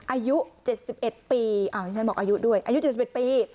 อายุ๗๑ปีที่ฉันบอกอายุด้วยอายุ๗๑ปี